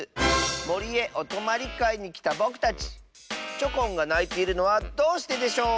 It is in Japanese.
もりへおとまりかいにきたぼくたちチョコンがないているのはどうしてでしょう？